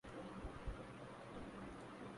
اس ضمن میں علما کی ایک تنظیم ”اسلامک یونٹی الائنس“